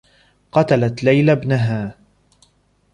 قتلت ليلى ابنها.